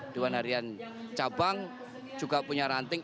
dewan harian cabang juga punya ranting